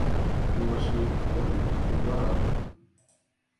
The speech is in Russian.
Они вошли в дворик пред бараком.